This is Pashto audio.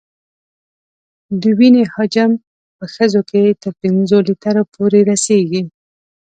د وینې حجم په ښځو کې تر پنځو لیترو پورې رسېږي.